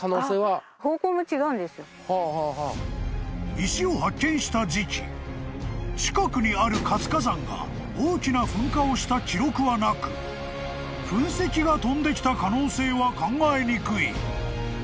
［石を発見した時期近くにある活火山が大きな噴火をした記録はなく噴石が飛んできた可能性は考えにくい］